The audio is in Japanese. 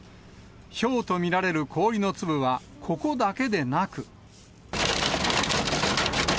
ひょうと見られる氷の粒は、ここだけでなく。